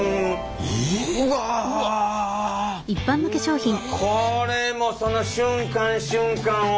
うわっこれもその瞬間瞬間を。